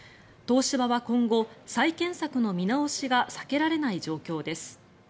東芝は今後、再建策の見直しが避けられない状況です。